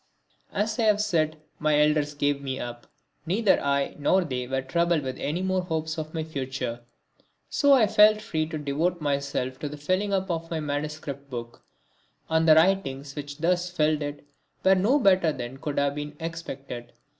As I have said, my elders gave me up. Neither I nor they were troubled with any more hopes of my future. So I felt free to devote myself to filling up my manuscript book. And the writings which thus filled it were no better than could have been expected.